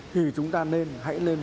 thì chúng ta nên hãy lên